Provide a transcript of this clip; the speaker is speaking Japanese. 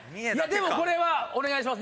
これはお願いします